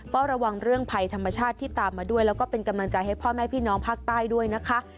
เฝ้าระวังเรื่องภัยธรรมชาติที่ตามมาด้วยแล้วก็เป็นกำลังใจให้พ่อแม่พี่น้องภาคใต้ด้วยนะคะ